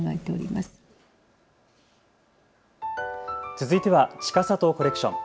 続いてはちかさとコレクション。